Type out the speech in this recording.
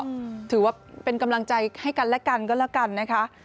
ก็ถือว่าเป็นกำลังใจให้กันและกันก็แล้วกันนะคะ